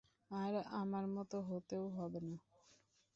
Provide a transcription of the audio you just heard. আর, আমার মতো হতেও হবে না।